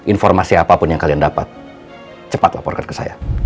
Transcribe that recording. informasi apapun yang kalian dapat cepat laporkan ke saya